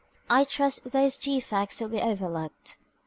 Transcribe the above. I trust those defects will be overlooked.